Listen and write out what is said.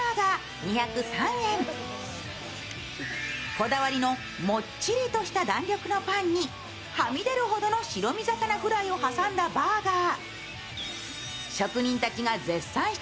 こだわりのもっちりとした弾力のパンにはみ出るほどの白身魚フライを挟んだバーガー。